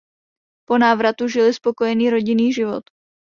Po návratu žili spokojený rodinný život.